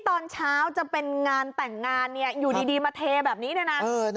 ตอนเช้าจะเป็นงานแต่งงานเนี่ยอยู่ดีมาเทแบบนี้ด้วยนะ